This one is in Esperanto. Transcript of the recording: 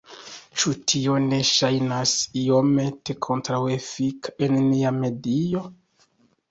Ĉu tio ne ŝajnas iomete kontraŭefika en nia medio?